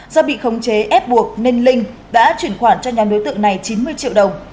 do bị khống chế ép buộc nên linh đã chuyển khoản cho nhà đối tượng này chín mươi triệu đồng